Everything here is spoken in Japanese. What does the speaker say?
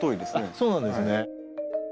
そうなんですね。